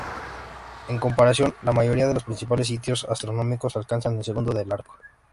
En comparación, la mayoría de los principales sitios astronómicos alcanzan el segundo de arco.